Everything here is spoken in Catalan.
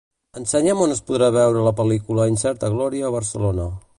Ensenya'm on es podrà veure la pel·lícula "Incerta glòria" a Barcelona.